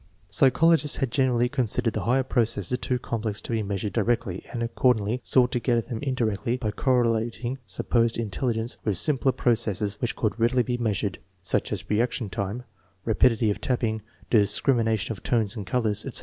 Psychologists had generally con sidered the higher processes too complex to be measured directly, and accordingly sought to get at them indirectly by correlating supposed intelligence with simpler processes which could readily bo measured, such as reaction time, rapidity of tapping, discrimination of tones and colors, etc.